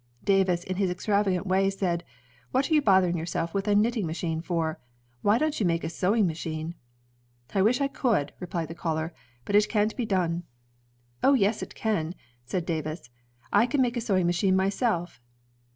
Davis in his extravagant way said, ''What are you bothering yourself with a knitting machine for? Why don't you make a sewing machine?" ''I wish I could," replied the caller, "but it can't be done." "Oh, yes, it can," said Davis. "I can make a sewing machine myself."